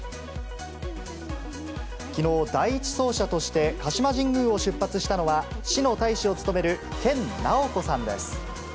きのう、第１走者として鹿島神宮を出発したのは、市の大使を務める研ナオコさんです。